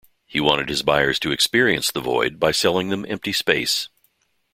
He wanted his buyers to experience The Void by selling them empty space.